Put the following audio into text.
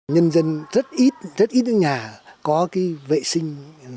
nhân dân rất ít rất ít ở nhà có cái vệ sinh